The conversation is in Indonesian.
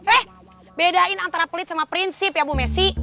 eh bedain antara pelit sama prinsip ya bu messi